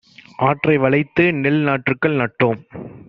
ஆற்றை வளைத்துநெல் நாற்றுக்கள் நட்டோ ம்;